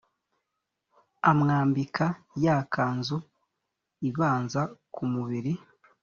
amwambika ya kanzu ibanza ku mubiri